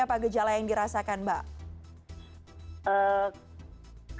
apa gejala yang dirasakan mbak